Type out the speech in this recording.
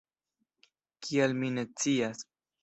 Kial mi ne scias.